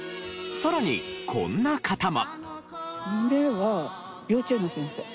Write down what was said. さらにこんな方も。